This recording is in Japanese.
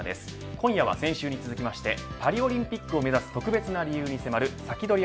今夜は先週に続きましてパリオリンピックを目指す特別な理由に迫るサキドリ！